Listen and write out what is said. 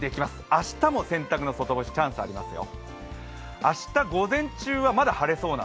明日も洗濯の外干し、チャンスありますよ。